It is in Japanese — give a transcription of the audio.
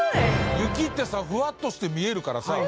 雪ってさふわっとして見えるからさ